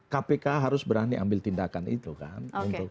kpk harus berani ambil tindakan itu kan